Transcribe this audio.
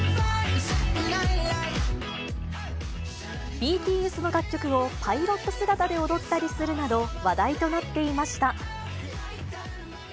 ＢＴＳの楽曲をパイロット姿で踊ったりするなど、話題となっていました。